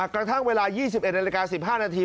กระทั่งเวลา๒๑นาฬิกา๑๕นาที